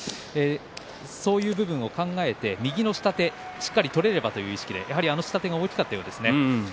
そういう部分を考えて右の下手しっかり取れればという意識でやはり下手が大きかったようですよ。